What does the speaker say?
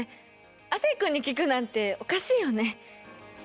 亜生君に聞くなんておかしいよね。